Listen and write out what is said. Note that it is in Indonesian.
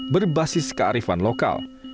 berbasis kearifan lokal